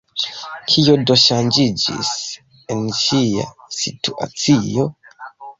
Kio do ŝanĝiĝis en ŝia situacio?